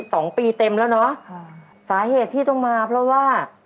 สองปีเต็มแล้วเนอะค่ะสาเหตุที่ต้องมาเพราะว่า